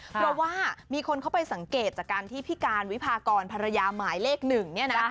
เพราะว่ามีคนเข้าไปสังเกตจากการที่พี่การวิพากรภรรยาหมายเลขหนึ่งเนี่ยนะ